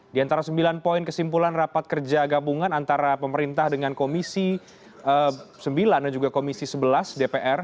di antara sembilan poin kesimpulan rapat kerja gabungan antara pemerintah dengan komisi sembilan dan juga komisi sebelas dpr